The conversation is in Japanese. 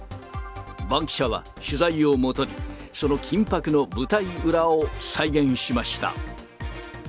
バンキシャは取材をもとに、その緊迫の舞台裏を再現しました。